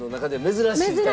珍しい！